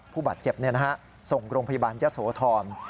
ผู้บาดเจ็บนี่นะครับส่งโรงพยาบาลยะโสทร